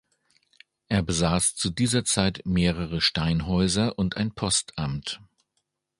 Es besaß zu dieser Zeit mehrere Steinhäuser und ein Postamt.